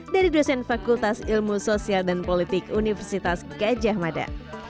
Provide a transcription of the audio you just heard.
dari dosen fakultas ilmu sosial dan politik universitas gajah mada